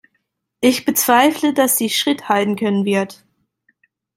Ich bezweifle, dass sie Schritt halten können wird.